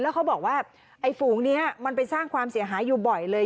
เขาบอกว่าไอ้ฝูงนี้มันไปสร้างความเสียหายอยู่บ่อยเลย